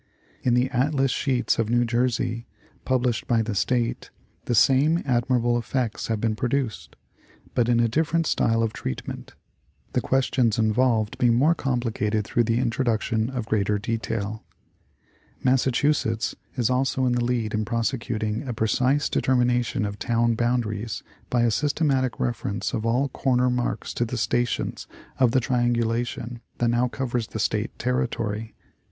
In the atlas sheets of New Jersey, published by the State, the same admirable effects have been produced, but in a different style of treatment, the questions involved being more compli(;ated through the introduction of greater detail, Massa chusetts is also in the lead in prosecuting a precise determination of town boundaries by a systematic reference of all corner marks to the stations of the triangulation that now covers the State ter ritory.